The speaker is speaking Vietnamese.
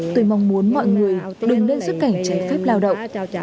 tôi mong muốn mọi người đừng lên xuất cảnh trái phép lao động